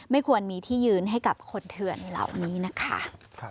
ควรมีที่ยืนให้กับคนเถื่อนในเหล่านี้นะคะ